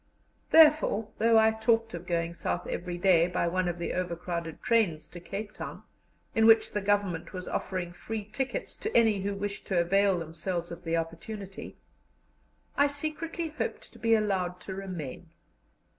Therefore, though I talked of going South every day by one of the overcrowded trains to Cape Town, in which the Government was offering free tickets to any who wished to avail themselves of the opportunity, I secretly hoped to be allowed to remain.